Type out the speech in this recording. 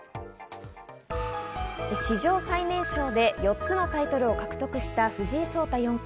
史上最年少で４つのタイトルを獲得した藤井聡太四冠。